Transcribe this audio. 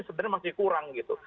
sebenarnya masih kurang gitu